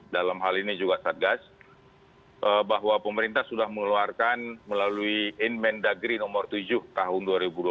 dalam hal ini juga satgas bahwa pemerintah sudah mengeluarkan melalui inmen dagri nomor tujuh tahun dua ribu dua puluh